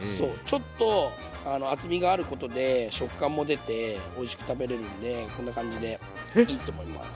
ちょっと厚みがあることで食感も出ておいしく食べれるんでこんな感じでいいと思います。